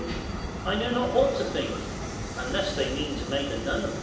'Tis very strange, I know not what to think, Unless they mean to make a nun of her.